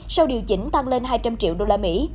sau điều chỉnh tăng lên hai trăm linh triệu usd